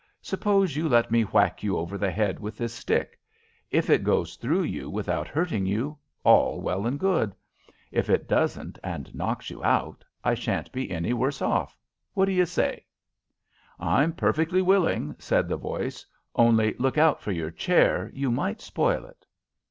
Suppose you let me whack you over the head with this stick? If it goes through you without hurting you, all well and good. If it doesn't, and knocks you out, I sha'n't be any the worse off. What do you say?" "I'm perfectly willing," said the voice; "only look out for your chair. You might spoil it."